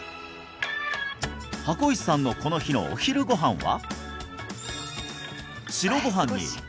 箱石さんのこの日のお昼ご飯は？